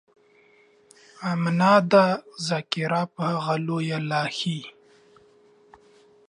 امنا ده ذاکره په هغه لويه لاښي.